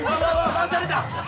回された！